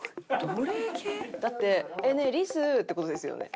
だって「ねえリス」って事ですよね？